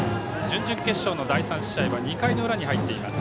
準々決勝の第３試合は２回の裏に入っています。